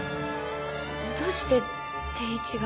どうして貞一が？